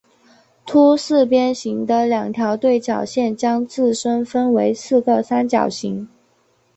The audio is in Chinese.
凸四边形的两条对角线将自身分成四个三角形。